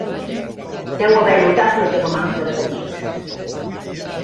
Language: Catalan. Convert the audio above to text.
Deu haver notat la teva manca d'apetit.